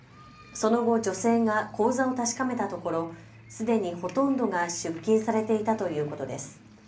その後、女性が口座を確かめたところすでにほとんどが出金されていたということです。